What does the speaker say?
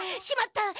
しまった！